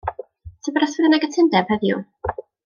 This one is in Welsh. Tybed os fydd 'na gytundeb heddiw?